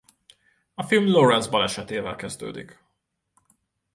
A film Lawrence balesetével kezdődik.